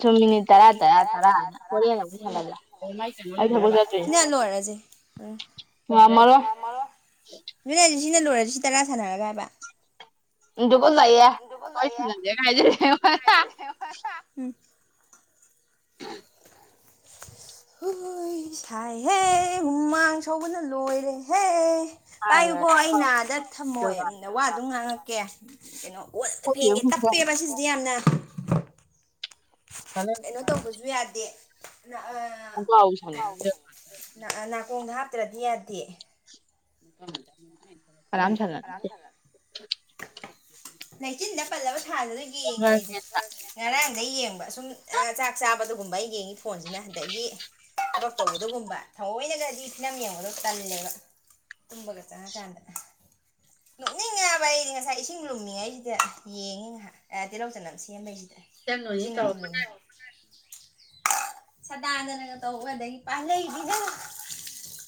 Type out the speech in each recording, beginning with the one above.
ꯁꯨꯝ ꯃꯤꯅꯤꯠ ꯇꯔꯥ ꯇꯔꯥ ꯇꯔꯥ ꯑꯃ ꯍꯧꯔꯦꯟ ꯑꯃꯨꯛ ꯁꯅꯁꯦ ꯑꯩ ꯊꯕꯛ ꯆꯠꯇꯣꯏꯅꯤ ꯉꯝꯃꯔꯣꯏ ꯁꯤꯅ ꯂꯣꯏꯔꯁꯤ ꯁꯤ ꯇꯔꯥ ꯁꯥꯟꯅꯔꯒ ꯍꯥꯏꯕ ꯗꯨꯛ [unintelligible] ꯌꯦ [unintelligible] ꯖꯦꯀꯥ ꯍꯥꯏꯖꯜꯂꯦ [unintelligible] ꯎꯝ ꯍꯨꯏ ꯁꯥꯏꯍꯦ ꯍꯨꯃꯥꯡ ꯁꯧꯕꯅ ꯂꯣꯏꯔꯦꯍꯦ ꯄꯥꯏꯌꯨꯀꯣ ꯑꯩ ꯅꯥꯗ ꯊꯝꯃꯣꯅ ꯋꯥꯗꯨ ꯉꯥꯡꯉꯛꯀꯦ ꯀꯩꯅꯣ ꯑꯣ ꯐꯦꯡꯒꯦ ꯇꯞꯄꯦꯕ ꯁꯤꯁꯤꯗꯤ ꯌꯥꯝꯅ [inaudible] ꯀꯩꯅꯣ ꯇꯧꯕꯁꯨ ꯌꯥꯗꯦ ꯍꯨ ꯀꯥꯎꯁꯅꯤ ꯗꯤꯌꯥꯗꯦ [inaudible] ꯆꯤꯟꯗ ꯄꯜꯂꯕ ꯊꯥꯗꯨꯁꯨ ꯌꯦꯡꯉꯦ ꯑꯩꯗꯤ ꯉꯔꯥꯡꯗꯩ ꯌꯦꯡꯕ ꯁꯨꯝ ꯆꯥꯛ ꯆꯥꯕꯗ ꯒꯨꯝꯕ ꯑꯩ ꯌꯦꯡꯉꯤ ꯐꯣꯟꯁꯤꯅ ꯑꯗꯒꯤ ꯊꯕꯛ ꯇꯧꯕꯗꯨꯒꯨꯝꯕ ꯊꯑꯣꯣꯏꯅꯒꯗꯤ ꯐꯤꯅꯝ ꯌꯦꯡꯕꯗꯣ ꯇꯜꯂꯦꯕ ꯇꯨꯝꯕꯒ ꯆꯪꯉꯀꯥꯟꯗ ꯑꯁ ꯅꯣꯛꯅꯤꯡꯉꯕ ꯑꯩꯗꯤ ꯉꯁꯥꯏ ꯏꯁꯤꯡ ꯂꯨꯝꯃꯤꯉꯩꯁꯤꯗ ꯌꯦꯡꯉꯤ ꯉꯍ ꯇꯤꯜꯍꯧ ꯆꯅꯝ ꯁꯦꯝꯕꯩꯁꯤꯗꯤ ꯆꯉꯣ ꯇꯄ ꯁꯥꯗꯥꯗꯅꯒ ꯇꯧꯕ ꯑꯗꯒꯤ ꯄꯥꯏꯜꯂꯩꯗꯤꯅꯪ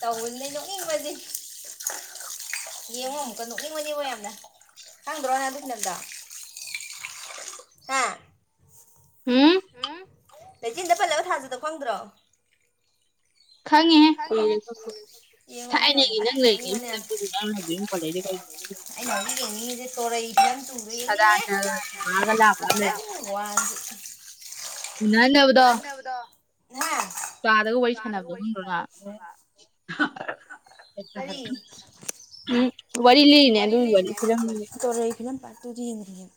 ꯇꯧꯕꯅꯦ ꯅꯣꯛꯅꯤꯡꯕꯁꯦ ꯌꯦꯉ ꯀꯛꯅꯤꯡꯕꯅꯦꯕ ꯌꯥꯝꯅ ꯈꯪꯗ꯭ꯔꯣ ꯅꯗꯛ ꯅꯝꯗ ꯍꯥꯥ ꯎꯝ ꯎꯝ ꯂꯩꯦꯆꯤꯟꯗ ꯄꯜꯂꯕ ꯊꯥꯖꯗ ꯈꯪꯗ꯭ꯔꯣ ꯈꯪꯉꯦꯍꯦ ꯌꯦꯡꯉꯣ ꯑꯗꯨꯗ ꯑꯃꯨꯛ ꯀ ꯅꯅꯤꯡꯕꯅꯦ ꯅꯤꯦ ꯇꯣꯔ ꯑꯩ ꯁꯗꯥꯗ ꯁꯨꯃꯒ ꯂꯥꯛꯄ ꯑꯃ ꯂꯩꯔꯦ ꯎꯟꯅꯟꯅꯕꯗꯣ ꯇꯥꯗꯒ ꯋꯥꯔꯤ ꯁꯥꯟꯅꯕꯗꯣ ꯈꯪꯗ꯭ꯔꯣꯅ ꯀꯔꯤ ꯋꯥꯔꯤ ꯇꯔ ꯠꯇꯨꯗꯤꯗ꯭ꯔꯝ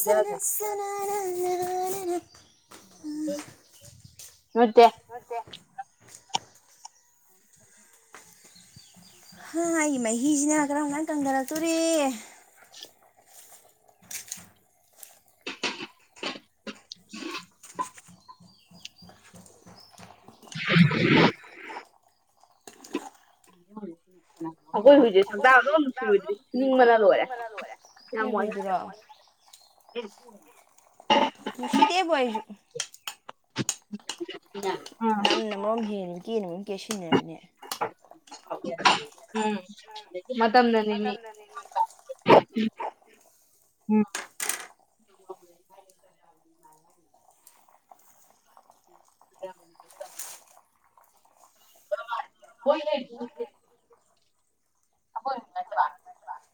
ꯁꯅ ꯁꯅꯔ ꯌꯥ ꯃꯠꯇꯦ ꯍꯥ ꯑꯩꯒꯤ ꯃꯍꯤꯁꯤꯅ ꯀꯔꯝꯅ ꯀꯟꯊꯔꯛꯇꯣꯔꯤꯦ [inaudible] [inaudible] ꯑꯩꯈꯣꯏ ꯍꯧꯖꯤꯖꯤꯛ ꯁꯛꯇꯥꯡꯗꯣ ꯅꯨꯡꯁꯤꯔꯣꯏꯗ꯭ꯔꯗꯤ ꯁꯨꯅꯤꯡꯕꯅ ꯂꯣꯏꯔꯦ ꯍꯖꯔꯥ [inaudible] ꯨꯁꯤꯗꯦ ꯣꯏꯁꯨ ꯎ ꯌꯥꯝꯝꯅ ꯔꯝ ꯍ ꯀꯅꯤ ꯀꯦ ꯁꯤꯅꯦꯕꯅꯦ ꯎꯝ ꯃꯣꯝꯅꯤꯒꯤ ꯎꯝ [inaudible] ꯍꯣꯏ ꯑ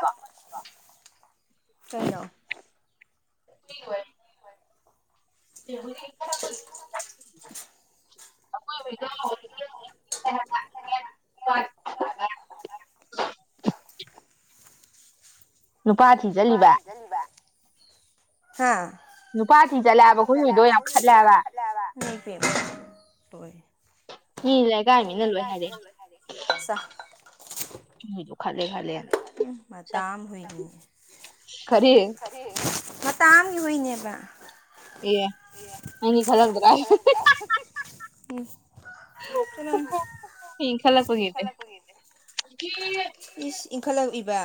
ꯑ ꯆꯩꯅꯥ [unintelligible] ꯅꯨꯄꯥ ꯊꯤꯖꯤꯜꯂꯤꯕ ꯍꯥꯥ ꯅꯨꯄꯥ ꯊꯤ ꯆꯠꯂꯛꯦꯑꯕ ꯑꯩꯈꯣꯏ ꯍꯣꯏꯗꯣ ꯌꯥꯝ ꯈꯠꯂꯦꯕ ꯂꯩ ꯄ ꯃꯤ ꯂꯩ ꯀꯥꯏꯅꯤꯅ ꯂꯣꯏ ꯍꯥꯏꯔꯦ ꯁ ꯎꯝ ꯈꯦ ꯈꯦꯅ ꯈꯔꯤ ꯇꯥꯝ ꯍꯅꯦꯕ ꯑꯦ ꯑꯅꯤ ꯈꯂꯛꯗ ꯎꯝ ꯍ ꯈꯂꯄꯒꯗꯦ ꯄꯤꯁ ꯏꯪꯈꯠꯂꯛꯏꯕ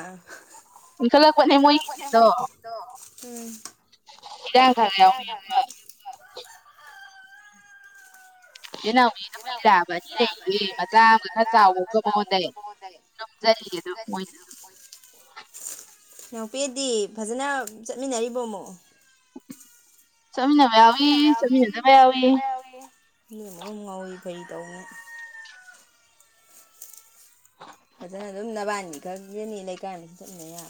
ꯏꯈꯜꯂꯛꯄꯅꯦ ꯃꯣꯏꯗꯤꯦꯗꯣ ꯎꯝ ꯏꯔꯪꯈꯔꯎ ꯌꯥꯝꯕ ꯑꯦ ꯅ ꯍꯧ ꯃꯣꯏ ꯔꯕꯅꯤ ꯔꯦ ꯑꯦ ꯃꯆꯥ ꯑꯃ ꯈꯔ ꯆꯥꯎꯕꯁꯨ ꯃꯣꯠꯅꯩ ꯅꯝꯖꯔꯤꯒꯦꯗꯝ ꯃꯣꯏꯗ ꯑꯗꯨꯝ ꯉꯅꯥꯎꯄꯤꯦꯗꯤ ꯐꯖꯅ ꯆꯠꯃꯤꯟꯅꯔꯤꯕꯣꯃꯣ ꯆꯃꯤꯅꯕ ꯆꯃꯤꯅꯗꯃꯦ ꯑ ꯏ ꯑꯃꯣꯏ ꯉꯥꯎꯏꯤ ꯐꯔꯤ ꯇꯧꯅꯤ ꯐꯖꯅ ꯑꯗꯨꯝ ꯅꯕꯥꯟꯒꯤ ꯈꯔꯒꯤꯅꯤ ꯂꯩꯀꯥꯟꯗꯁꯨ ꯆꯠꯅ ꯌꯥ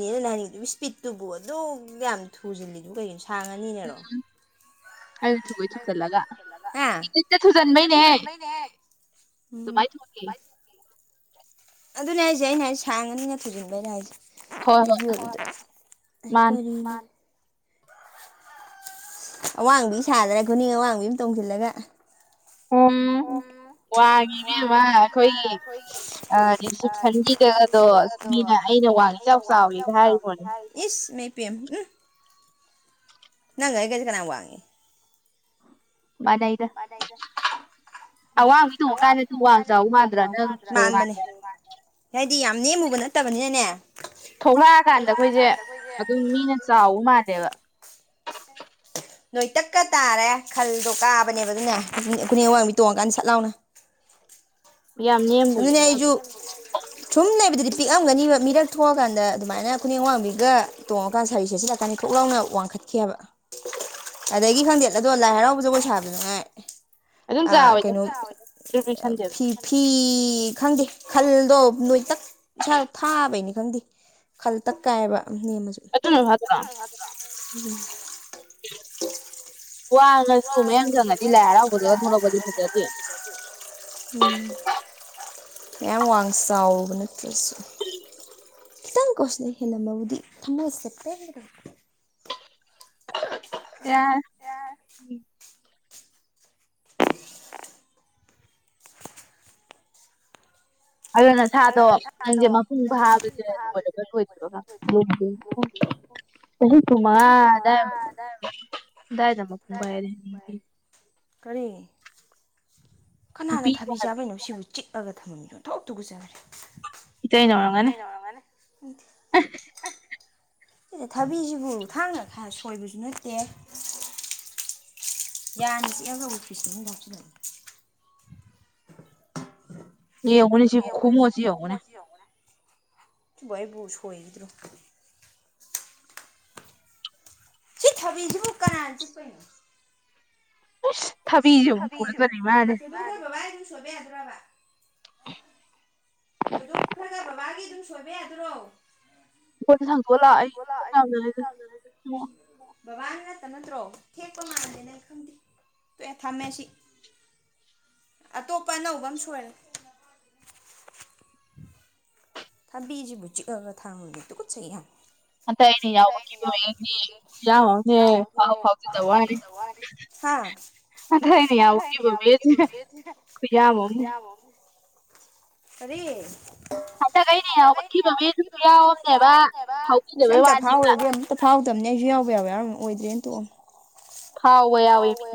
ꯅ ꯂꯥꯏꯅꯤꯡꯗꯨꯒꯤ ꯏꯁꯄꯤꯠꯇꯨꯕꯨ ꯑꯗꯨꯝ ꯌꯥꯝ ꯊꯨꯖꯤꯜꯂꯤꯗꯨ ꯀꯩꯒꯤꯅꯣ ꯁꯥꯡꯉꯅꯤꯅꯦꯔꯣ ꯑꯁꯨꯒꯣꯏ ꯆ ꯆꯠꯂꯒ ꯏꯆꯤꯟꯇ ꯊꯨꯖꯤꯟꯕꯩꯅꯦꯍ ꯑꯗꯨꯃꯥꯏꯅ ꯊꯣꯡꯒꯦ ꯑꯗꯨꯅꯦ ꯍꯥꯏꯁꯦ ꯑꯩꯅ ꯍꯥꯏꯁꯦ ꯁꯥꯡꯉꯅꯤꯅ ꯊꯨꯖꯤꯟꯕꯩꯅ ꯍꯥꯏꯁꯦ ꯖ ꯑꯩ ꯀꯔꯤ ꯑꯋꯥꯡꯕꯤ ꯁꯥꯗ꯭ꯔꯦ ꯈꯨꯅꯤꯡ ꯑꯋꯥꯡꯕꯤ ꯑꯃ ꯇꯣꯡꯁꯤꯜꯂꯒ ꯑꯣ ꯄꯒ ꯋꯥ ꯑꯩꯈꯣꯏ ꯑ ꯁꯟꯒꯤꯗꯒꯗꯣ ꯑꯁ ꯃꯤꯅ ꯑꯩꯅ ꯋꯥꯡꯉꯦ ꯆꯥꯎ ꯆꯥꯎꯋꯦꯅ ꯍꯥꯏꯔꯤꯕꯣꯅꯦ ꯄꯤ ꯑꯦꯝ ꯎꯝ ꯅꯪ ꯉꯒꯥ ꯑꯩꯒꯩꯁ ꯀꯅꯥ ꯋꯥꯡꯉꯤ ꯗꯩꯗ ꯑꯋꯥꯡ ꯊꯣꯡꯉꯀꯥꯟꯗ ꯋꯥꯗ꯭ꯔꯥꯟꯕꯅꯦ ꯗꯤ ꯌꯥꯝ ꯅꯦꯝꯃꯨꯕ ꯅꯠꯇꯕꯅꯤꯅꯅꯦ ꯊꯣꯛꯂꯛꯑꯀꯥꯟꯗ ꯑꯩꯈꯣꯏꯁꯦ ꯑꯗꯨꯝ ꯃꯤꯅ ꯆꯥꯎꯕ ꯃꯥꯜꯂꯦꯕ ꯅꯣꯏ ꯇꯛꯀ ꯇꯥꯔꯦ ꯈꯜꯗꯣ ꯀꯥꯕꯅꯦꯕ ꯑꯗꯨꯅꯦ ꯑꯩꯈꯣꯏ ꯑꯋꯥꯡꯕꯤ ꯇꯣꯡꯉꯀꯥꯟꯗ ꯁꯠ ꯂꯥꯎꯅꯦ ꯑꯗꯨꯅ ꯑꯩꯁꯨ ꯆꯨꯝꯅꯕꯗ ꯄꯤꯛꯑꯝꯒꯅꯤꯕ ꯃꯤꯔꯛ ꯊꯣꯛꯑꯀꯥꯟꯗ ꯑꯗꯨꯃꯥꯏꯅ ꯈꯨꯅꯦꯛ ꯋꯥꯡꯕꯤꯒ ꯇꯣꯡꯉꯀꯥꯟꯗ ꯁꯥꯔꯤ ꯁꯦꯠꯁꯤꯠꯂꯛꯀꯥꯟꯗ ꯈꯣꯛ ꯂꯥꯎꯅ ꯋꯥꯡꯈꯠꯈꯤꯑꯕ ꯑꯗꯒꯤ ꯈꯪꯗꯦ ꯑꯗꯣ ꯂꯥꯏ ꯍꯔꯥꯎꯕꯖꯒꯣꯏ ꯁꯥꯕꯅꯉꯥꯏ ꯑ ꯀꯩꯅꯣ ꯐꯤ ꯐꯤ ꯈꯪꯗꯦ ꯈꯜꯗꯣ ꯅꯣꯏ ꯇꯛ ꯏꯁꯥꯗ ꯊꯥꯕꯩꯅꯤ ꯈꯪꯗꯦ ꯈꯜ ꯇꯛꯀꯥꯏꯕ ꯅꯦꯝꯃꯁꯨ ꯎꯝ ꯇ ꯋꯥꯒ ꯁꯨ ꯂ ꯀ ꯃꯌꯥꯝ ꯋꯥꯡ ꯆꯥꯎꯕ ꯅꯠꯇ꯭ꯔꯁꯨ ꯈꯤꯇꯪ ꯀꯣꯁꯤꯅ ꯍꯦꯟꯅꯃꯕꯨꯗꯤ ꯊꯃꯣꯏꯁꯦ ꯌꯥꯔ [unintelligible] ꯣ ꯀꯔꯤ ꯀꯅꯥꯅ ꯊꯥꯕꯤ ꯆꯥꯕꯩꯅꯣ ꯁꯤꯕꯨ ꯆꯤꯛꯑꯒ ꯊꯝꯃꯅꯣꯣ ꯇꯨꯒꯖꯥ [unintelligible] ꯆꯩꯅꯉꯒꯅꯤ ꯊꯕꯤꯁꯤꯕꯨ ꯊꯥꯡꯅ ꯈꯔ ꯁꯣꯏꯕꯁꯨ ꯅꯠꯇꯦ ꯌꯥꯅꯤꯁ ꯑ ꯍꯧꯕ ꯐꯤꯁꯅꯤ ꯌꯥꯎꯁꯤꯟꯅꯒꯦ ꯌꯦꯧꯅꯦ ꯁꯤꯕꯨ ꯈꯨꯃ ꯑꯁꯤꯧꯒꯅꯦ ꯥꯏꯕꯕꯨ ꯁꯣꯏꯗ꯭ꯔꯨꯅꯤ ꯆꯤꯊꯕꯤꯁꯤꯕꯨꯨ ꯀꯅꯥꯅ ꯆꯤꯛꯄꯅꯣ ꯊꯕꯤ ꯊꯣꯏꯗꯣꯛꯈ꯭ꯔꯒ ꯕꯕꯥꯒꯤ ꯑꯗꯨꯝ ꯁꯣꯏꯕ ꯌꯥꯗꯔꯣ ꯐ ꯁꯪꯀꯣ ꯂ ꯅꯠꯇ꯭ꯔꯣ ꯊꯦꯛꯄ ꯃꯥꯟꯗꯦꯅ ꯑꯩ ꯈꯪꯗꯦ ꯐ ꯊꯥꯃꯦꯁꯤ ꯑꯇꯣꯞꯄ ꯑꯅꯧꯕ ꯑꯃ ꯁꯣꯏꯔꯦ ꯊꯕꯤꯖꯤꯕꯨ ꯆꯤꯛꯑꯒ ꯊꯥꯡꯉꯨꯏꯖꯦ ꯇꯨꯀꯨꯠꯆꯩꯌꯦ ꯌꯥꯝ ꯑꯇꯩ ꯑꯩꯅ ꯌꯥꯎꯕꯒꯤ ꯗꯤ ꯈꯨꯌꯥꯝꯃꯝꯅꯦ ꯑꯥꯎ ꯐꯥꯎꯖꯗꯕ ꯋꯥꯅꯤ ꯑꯇꯩ ꯑꯩꯅ ꯌꯥꯎꯕꯒꯤ ꯕꯁꯦ ꯈꯨꯌꯥꯝꯝꯅꯦ ꯀꯔꯤ ꯍꯟꯁꯨ ꯑꯇ ꯐꯥꯎꯋꯦꯕ ꯑꯃꯛꯇ ꯐꯥꯎꯗꯕꯅꯦ ꯑꯩꯁꯨ ꯌꯥꯎꯕ ꯌꯥꯎꯋ ꯌꯥꯎ ꯑꯣꯏꯗ꯭ꯔꯦꯅ ꯐꯥꯎꯕ ꯌꯥꯎꯋꯦꯃꯤ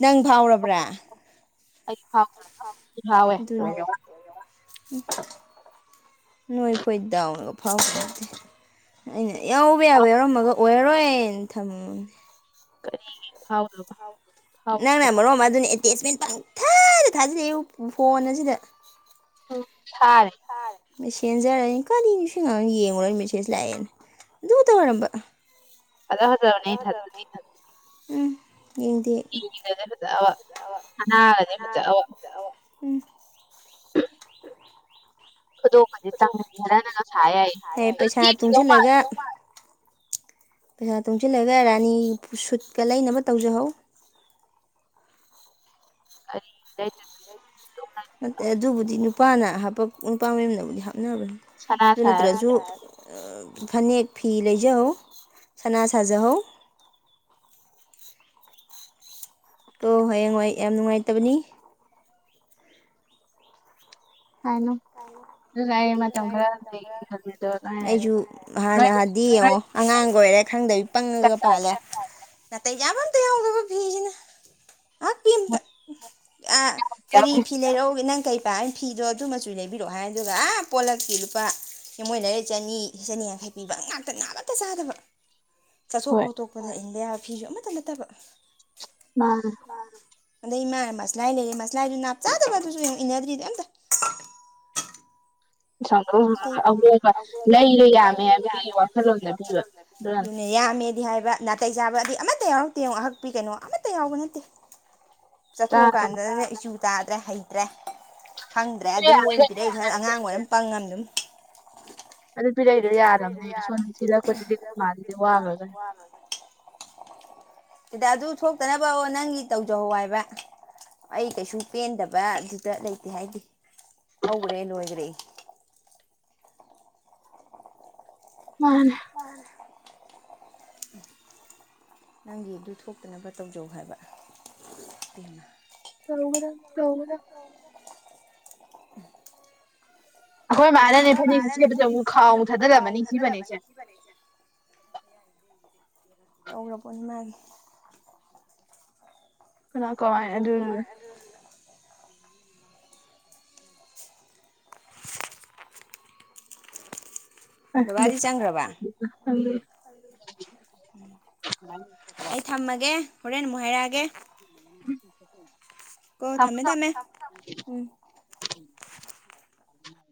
ꯅꯪ ꯐꯥꯎꯔꯕ꯭ꯔꯥ ꯑꯩꯥꯎ ꯍꯦ ꯅꯣꯏꯈꯣꯏꯗꯥꯎꯔꯒ ꯐꯥꯎꯕ ꯅꯠꯇꯦ ꯑꯩꯅ ꯌꯥꯎꯕ ꯌꯥꯕ ꯌꯥꯎꯔꯝꯃꯒ ꯄꯔꯦꯟ ꯊꯝꯃ ꯀꯔꯤ ꯐꯥꯎꯗꯔꯕ ꯅ ꯅ ꯃꯔꯣꯃ ꯑꯗꯨꯅꯤ ꯑꯦꯇꯦꯁꯃꯦꯟ ꯄꯪꯊꯅ ꯊꯥꯖꯤꯜꯂꯛꯑꯦ ꯐꯣꯟ ꯑꯁꯤꯗ ꯑꯣ ꯁꯔꯦ ꯃꯦꯁꯦꯟꯖꯔ ꯀꯗꯤ ꯅꯤꯡꯅꯨꯡꯁꯤꯡꯉꯉ ꯌꯦꯡꯉꯨꯔꯣꯏ ꯃꯦꯁꯦꯖ ꯂꯥꯛꯑꯦꯅ ꯑꯗꯨ ꯇꯧ ꯑꯣꯏꯔꯝꯕ ꯑꯜ ꯍꯖꯅ ꯊꯖ ꯎꯝ ꯌꯦꯟꯗꯅꯦ ꯐꯖꯕ ꯁꯅꯥꯔꯗꯤ ꯐꯖꯕ ꯈꯨꯗꯣꯡꯄꯗꯤ ꯆꯪꯅꯤꯡꯟꯈ꯭ꯔꯅꯒꯁ ꯌꯥꯏ ꯑꯗꯨꯈꯤꯗꯧ ꯃꯥꯂ ꯄꯩꯁꯥ ꯇꯨꯡꯁꯤꯜꯂꯒ ꯔꯥꯅꯤ ꯁꯨꯠꯀ ꯂꯩꯅꯕ ꯇꯧꯖꯍꯧ ꯑꯔꯤ ꯂꯩꯇ ꯃꯦ ꯑꯗꯨ ꯑꯗꯨꯕꯨꯗꯤꯅ ꯅꯨꯄꯥꯅ ꯍꯥꯏ ꯄ ꯅꯨꯄꯥ ꯃꯌ ꯅ ꯂꯧ ꯅꯕ ꯑꯗꯨ ꯅꯠꯇ꯭ꯔꯁꯨ ꯐꯅꯦꯛ ꯐꯤ ꯂꯩꯖꯍꯧ ꯁꯅꯥ ꯁꯥꯖꯍꯧ ꯑꯣ ꯍꯌꯦꯡ ꯍꯏ ꯌꯥꯝ ꯅꯨꯡꯉꯥꯏꯇꯕꯅꯤ ꯍꯥꯏꯅ ꯑꯩꯁꯨ ꯍꯥꯟꯅꯥꯟꯗꯤ ꯌꯦꯡꯉꯣ ꯑꯉꯥꯡꯒ ꯑꯣꯏꯔꯦ ꯈꯪꯗꯕꯤ ꯄꯪꯉꯒ ꯄꯥꯜꯂꯦ ꯅꯇꯩꯩ ꯌꯥꯕꯟꯗ ꯍꯧꯗ ꯐꯕꯤꯖꯅ ꯑꯥꯛꯄꯤ ꯑꯝꯇ ꯑ ꯀꯔꯤ ꯐꯤ ꯂꯩꯔꯛꯎꯒꯦ ꯅꯪ ꯀꯩ ꯄꯥ ꯐꯤꯗꯣ ꯑꯗꯨ ꯃꯆꯨ ꯂꯩꯕꯤꯔꯛꯑꯣ ꯍꯥꯏꯗꯨꯒ ꯑꯞ ꯄꯣꯠꯂꯛꯀꯤ ꯂꯨꯄꯥ ꯌꯦꯡꯃꯣꯏ ꯂꯩꯔꯦ ꯆꯅꯤ ꯆꯅꯤ ꯌꯥꯡꯈꯩ ꯄꯤꯕ ꯉꯥꯛꯇ ꯉꯍꯥꯥꯛꯇ ꯆꯥꯗꯕ ꯆꯠꯊꯣꯛ ꯈꯣꯠꯇꯣꯛꯄꯅ ꯏꯟꯗꯤꯦ ꯐꯤꯁꯨ ꯑꯃꯠꯇ ꯅꯠꯇꯕ ꯑ ꯑꯗꯩ ꯏꯃꯥꯅ ꯃꯁꯂꯥꯏ ꯂꯩꯔꯦ ꯃꯁꯂꯥꯏꯗꯨ ꯅꯥꯞ ꯆꯥꯗꯕꯗꯨꯁꯨ ꯏꯟꯅꯗ꯭ꯔꯤꯗꯤ ꯑꯝꯇ ꯑꯍꯣꯕ ꯂꯩ ꯂꯣ ꯌꯥꯝꯃꯦ ꯍꯥꯏꯕꯒꯤ ꯋꯥꯈꯜꯂꯣꯟꯌꯣ ꯑꯗꯨꯅꯦ ꯌꯥꯝꯃꯦꯗꯤ ꯍꯥꯏꯕ ꯅꯥꯇꯩ ꯆꯥꯕ ꯑꯗꯤ ꯑꯃꯠꯇ ꯌꯥꯎꯔꯛꯇ ꯌꯦꯡꯉꯣ ꯉꯍꯛꯄꯤ ꯀꯩꯅꯣ ꯑꯃꯠꯇ ꯌꯥꯎꯕ ꯅꯠꯇꯦ ꯆꯠꯊꯣꯛꯑꯀꯥꯟꯗ ꯏ ꯆꯥꯗ꯭ꯔꯦ ꯍꯩꯇ꯭ꯔꯦ ꯈꯪꯗ꯭ꯔꯦ ꯑꯗꯨꯝ ꯑꯣꯏꯅ ꯄꯤꯔꯛꯏ ꯈꯔ ꯑꯉꯥꯡ ꯑꯣꯏꯔꯝ ꯄꯪꯉꯝꯝ [inaudible] ꯑꯗꯨ ꯄꯤꯔꯩꯗꯣ ꯌꯥꯔꯕꯅꯦ ꯁꯣꯅ ꯁꯤꯤꯜꯂꯛꯄꯗꯤ ꯂꯤꯛꯄ ꯃꯥꯂꯗꯤ ꯋꯥꯉꯒ ꯁꯤꯗ ꯑꯗꯨ ꯊꯣꯛꯇꯅꯕ ꯑꯣ ꯅꯪꯒꯤ ꯇꯧꯖꯍꯧ ꯍꯥꯏꯕ ꯑꯩ ꯀꯩꯁꯨ ꯄꯦꯟꯗꯕ ꯑꯗꯨꯗ ꯂꯩꯇꯦ ꯍꯥꯏꯗꯤ ꯍꯧꯈ꯭ꯔꯦ ꯂꯣꯏꯈ꯭ꯔꯦ ꯃꯥꯅꯦ ꯑ ꯅꯪꯒꯤ ꯑꯗꯨ ꯊꯣꯛꯇꯅꯕ ꯇꯧꯖꯧ ꯍꯥꯏꯕꯃ ꯇꯧꯒꯗ ꯇꯧꯒꯗ ꯑꯩꯣꯏ ꯕꯥꯅꯅꯦ ꯐꯅꯩꯥꯎ ꯆꯠꯅꯗꯕꯅꯤ ꯁꯤꯕꯅꯦ ꯇꯧ꯭ꯔ ꯄꯣꯅꯤ ꯃꯥꯒꯤ ꯀꯅꯥ ꯀꯃꯥꯏ ꯑꯗꯨ ꯑ ꯍ ꯑꯩ ꯊꯝꯃꯒꯦ ꯍꯣꯔꯦꯟꯨ ꯍꯥꯏꯔꯛꯒꯦ [inaudible] ꯀꯣ ꯊꯃꯦ ꯊꯃꯦ ꯎꯝ [inaudible]